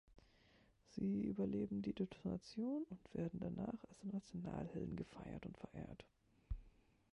Sie überleben die Detonation und werden danach als Nationalhelden gefeiert und verehrt.